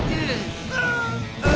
あ！